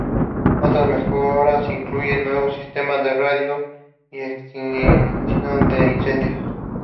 Otras mejoras incluyen, nuevos sistemas de radio y extinción de incendios.